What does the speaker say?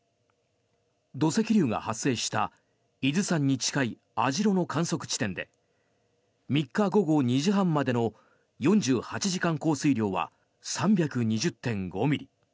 土石流が発生した伊豆山に近い網代の観測地点で３日午後２時半までの４８時間降水量は３２０．５ミリ。